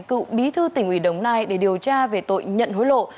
cựu bí thư tỉnh ủy đồng nai để điều tra về tội nhận hối lộ